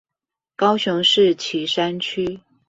高雄市旗山區